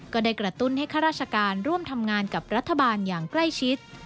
ก็ได้กระตุ้นให้ข้าราชการร่วมทำงานกับรัฐบาลอย่างใกล้ชิด